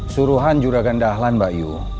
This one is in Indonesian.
suruhan juragan dahlan mbak yu